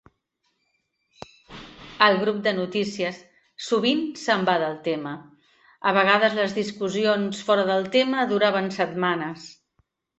El grup de notícies sovint s'en va del tema; a vegades les discussions fora del tema duraven setmanes.